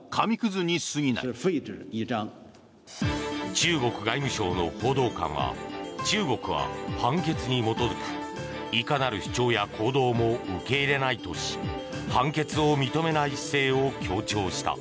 中国外務省の報道官は中国は判決に基づくいかなる主張や行動も受け入れないとし判決を認めない姿勢を強調した。